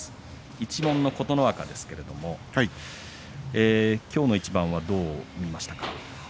一門の琴ノ若ですけれどもきょうの一番はどう見ましたか。